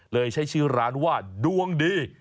ใช้ชื่อร้านว่าดวงดี